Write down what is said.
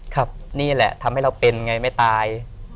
ครับนี่แหละทำให้เราเป็นไงไม่ตาย